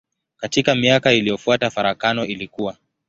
Katika miaka iliyofuata farakano ilikua.